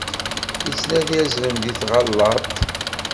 Ittnadi azrem di tɣalaṭ.